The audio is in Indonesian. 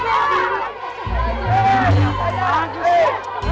ayo mereka berjaya